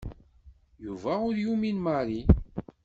Yuba ur yumin Mary.